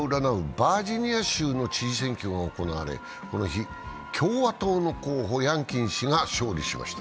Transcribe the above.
バージニア州の知事選挙が行われこの日、共和党の候補、ヤンキン氏が勝利しました。